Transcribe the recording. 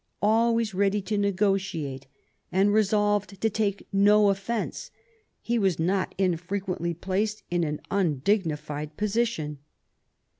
Always ready to negotiate, and resolved to take no oft'ence, he was not infrequently placed in an undignified position.